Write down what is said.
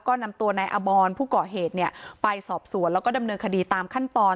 ก็นำตัวในอบอลผู้เกาะเหตุไปสอบส่วนและดำเนินคดีตามขั้นตอน